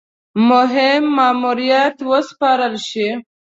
مهم ماموریت وسپارل شي.